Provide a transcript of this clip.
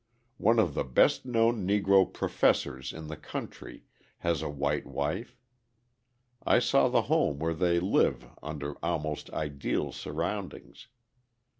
One of the best known Negro professors in the country has a white wife. I saw the home where they live under almost ideal surroundings.